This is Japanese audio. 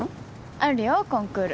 あるよコンクール。